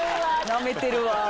なめてるわ。